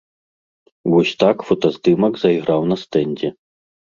Вось так фотаздымак зайграў на стэндзе.